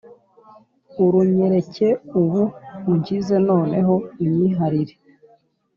Urunyereke ubu unkize noneho unyiharire